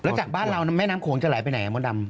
แล้วจากบ้านเราแม่น้ำโขงจะไหลไปไหนมดดำ